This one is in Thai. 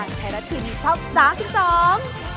การการแฮร่าทีมที่ช่องราชิมสอง